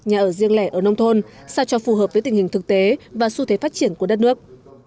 nhà ở riêng lẻ ở nông thôn sao cho phù hợp với tình hình thực tế và xu thế phát triển của đất nước